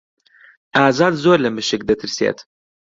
ئازاد زۆر لە مشک دەترسێت.